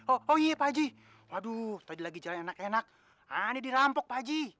oh iya pak haji waduh tadi lagi jalan enak enak ani dirampok pak haji